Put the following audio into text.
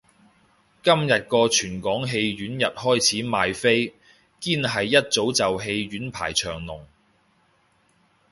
今日個全港戲院日開始賣飛，堅係一早就戲院排長龍